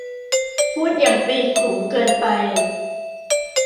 พูดอย่างตีขลุมเกินไป